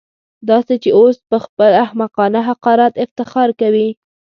داسې چې اوس پهخپل احمقانه حقارت افتخار کوي.